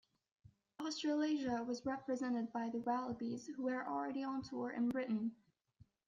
Australasia was represented by the Wallabies, who were already on tour in Britain.